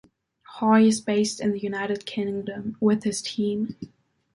Hoy is based in the United Kingdom, with his team.